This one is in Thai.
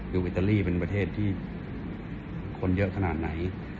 คืออิตาลีเป็นประเทศที่คนเยอะขนาดไหน